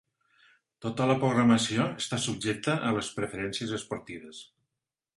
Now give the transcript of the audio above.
Tota la programació està subjecta a les preferències esportives.